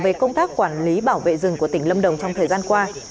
về công tác quản lý bảo vệ rừng của tỉnh lâm đồng trong thời gian qua